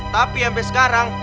tapi sampai sekarang